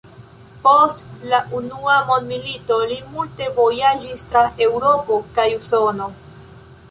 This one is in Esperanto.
Post la unua mondmilito li multe vojaĝis tra Eŭropo kaj Usono.